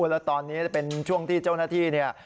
แล้วตอนนี้เป็นช่วงที่เจ้าหน้าที่เนี่ย